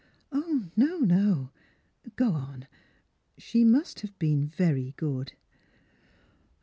" No, no ; go on. She must have been very good."